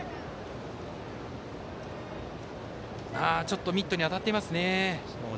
ちょっとミットに当たっていますね。